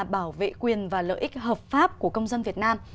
bảo vệ quyền và lợi ích hợp pháp của công dân việt nam